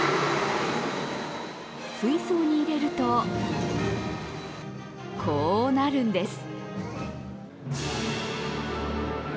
水槽に入れると、こうなるんです。